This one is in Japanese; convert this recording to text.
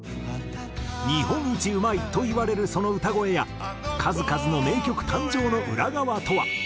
日本一うまいといわれるその歌声や数々の名曲誕生の裏側とは？